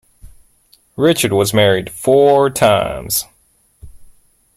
Richard was married four times.